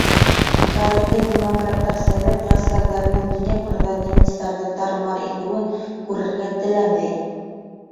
Хәҙерге демократтар Совет ғәскәрҙәренең Днепрҙа немецтарҙы тар-мар итеүен күрергә теләмәй.